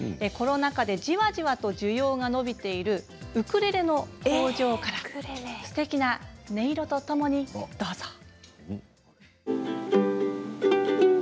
コロナ禍でじわじわと需要が伸びているウクレレの工場からすてきな音色とともにどうぞ。